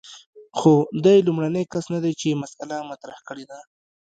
خو دی لومړنی کس نه دی چې مسأله مطرح کړې ده.